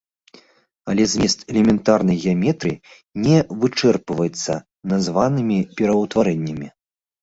Але змест элементарнай геаметрыі не вычэрпваецца названымі пераўтварэннямі.